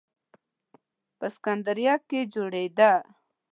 په سکندریه کې جوړېده.